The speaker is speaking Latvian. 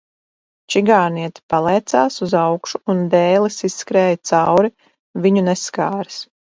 Čigāniete palēcās uz augšu un dēlis izskrēja cauri viņu neskāris.